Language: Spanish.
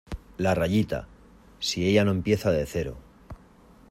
la rayita. si ella no empieza de cero